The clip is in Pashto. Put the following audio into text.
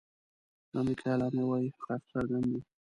د امریکا اعلامیه وايي حقایق څرګند دي.